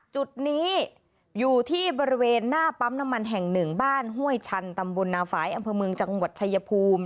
จุดนี้อยู่ที่บริเวณหน้าปั๊มน้ำมันแห่งหนึ่งบ้านห้วยชันตำบลนาฝ่ายอำเภอเมืองจังหวัดชายภูมิ